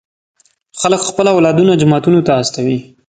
خلک خپل اولادونه جوماتونو ته استوي.